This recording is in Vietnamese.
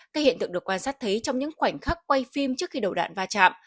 các hiện tượng được quan sát thấy trong những khoảnh khắc quay phim trước khi đầu đạn va chạm